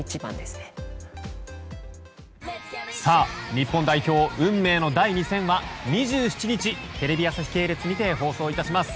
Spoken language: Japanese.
日本代表運命の第２戦は２７日テレビ朝日系列にて放送いたします。